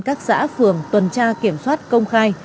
các xã phường tuần tra kiểm soát công khai